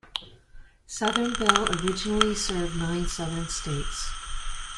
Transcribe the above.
Southern Bell originally served nine Southern states.